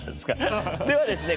ではですね